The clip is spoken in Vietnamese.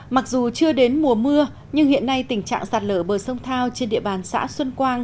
mặc dù chưa đến mùa mưa nhưng hiện nay tình trạng sạt lở bờ sông thao trên địa bàn xã xuân quang